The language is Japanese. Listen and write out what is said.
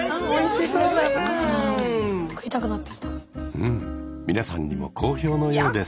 うん皆さんにも好評のようです。